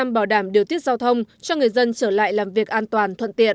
một trăm linh bảo đảm điều tiết giao thông cho người dân trở lại làm việc an toàn thuận tiện